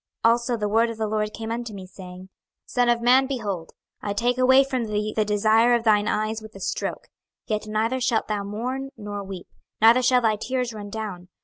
26:024:015 Also the word of the LORD came unto me, saying, 26:024:016 Son of man, behold, I take away from thee the desire of thine eyes with a stroke: yet neither shalt thou mourn nor weep, neither shall thy tears run down.